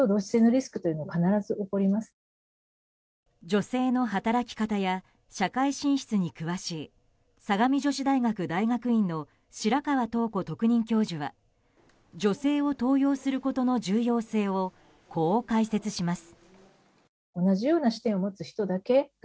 女性の働き方や社会進出に詳しい相模女子大学大学院の白河桃子特任教授は女性を登用することの重要性をこう解説します。